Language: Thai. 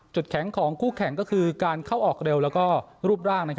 แข็งของคู่แข่งก็คือการเข้าออกเร็วแล้วก็รูปร่าง